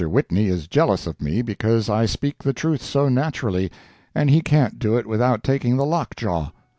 Whitney is jealous of me because I speak the truth so naturally, and he can't do it without taking the lock jaw.